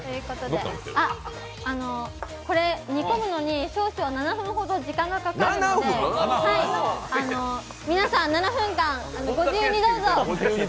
これ、煮込むのに少々７分ほど時間がかかるので、皆さん、７分間、ご自由にどうぞ！